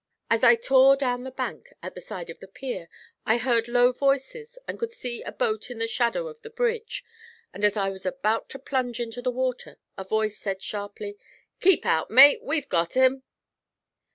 As I tore down the bank at the side of the pier, I heard low voices, and could see a boat in the shadow of the bridge; and as I was about to plunge into the water, a voice said sharply: 'Keep out, mate, we've got him!'